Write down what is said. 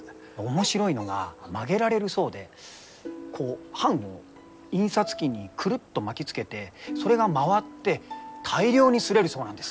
面白いのが曲げられるそうでこう版を印刷機にくるっと巻きつけてそれが回って大量に刷れるそうなんです。